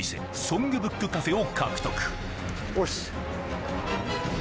ソングブックカフェを獲得おし！